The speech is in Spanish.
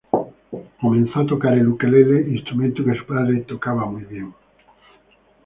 Comenzó a tocar el ukelele, instrumento que su padre tocaba muy bien.